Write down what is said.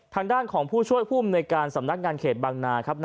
ทางด้านของผู้ชวดคุมในการสำนักงานเขตบางนาครับ